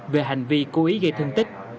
về hành vi cố ý gây thương tích